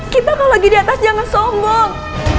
kita kalau lagi diatas jangan sombong